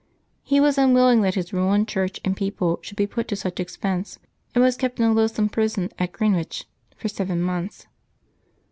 He was unwilling that his ruined church and people should be put to such expense, and was kept in a loathsome prison at Greenwich for seven months.